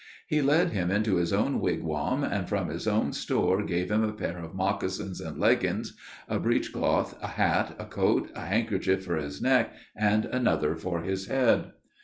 He led him into his own wigwam, and, from his own store, gave him a pair of moccasins and leggins, a breechcloth, a hat, a coat, a handkerchief for his neck, and another for his head.